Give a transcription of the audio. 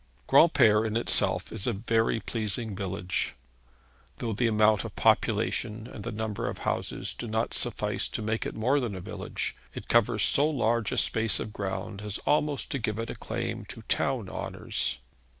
Granpere in itself is a very pleasing village. Though the amount of population and number of houses do not suffice to make it more than a village, it covers so large a space of ground as almost to give it a claim to town honours.